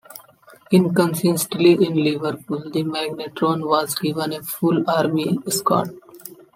Inconsistently, in Liverpool, the magnetron was given a full Army escort.